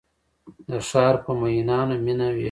د ښارپر میینانو میینه ویشم